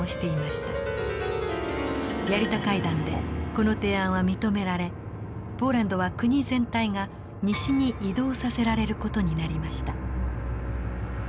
ヤルタ会談でこの提案は認められポーランドは国全体が西に移動させられる事になりました。